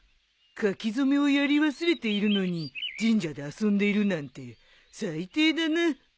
書き初めをやり忘れているのに神社で遊んでいるなんて最低だな。